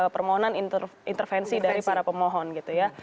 permohonan intervensi dari para pemohon gitu ya